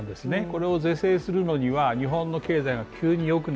これを是正するのには、日本の経済が急によく